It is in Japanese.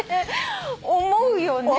思うよね？